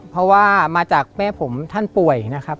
เพราะว่ามาจากแม่ผมท่านป่วยนะครับ